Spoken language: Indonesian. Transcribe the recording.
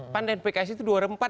pandan pks itu dua ribu empat